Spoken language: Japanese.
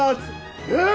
えっ？